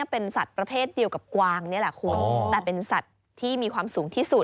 เป็นสัตว์ประเภทเดียวกับกวางเนี่ยแหละคุ้น